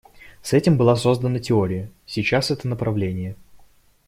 С этим была создана теория, сейчас это направление.